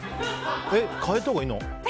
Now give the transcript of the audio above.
変えたほうがいいの？